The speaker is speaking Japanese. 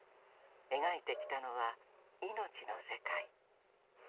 描いてきたのはいのちの世界。